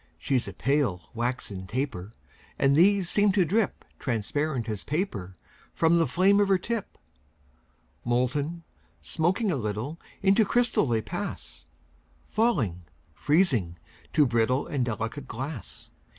She's a pale, waxen taper; And these seem to drip Transparent as paper From the flame of her tip. Molten, smoking a little, Into crystal they pass; Falling, freezing, to brittle And delicate glass.